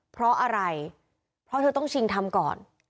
เพราะอะไรเพราะเธอต้องชิงทำก่อน